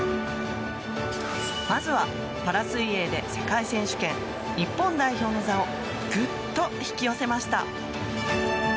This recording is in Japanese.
まずはパラ水泳で世界選手権日本代表の座をぐっと引き寄せました。